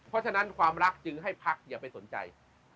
เพราะฉะนั้นความรักจึงให้พักอย่าไปสนใจ